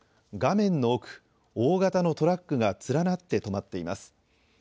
画面の奥、大型のトラックが連なって止まっています。